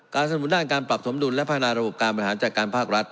สนุนด้านการปรับสมดุลและพัฒนาระบบการบริหารจัดการภาครัฐ